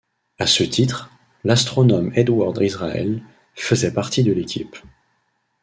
À ce titre, l'astronome Edward Israel faisait partie de l'équipe.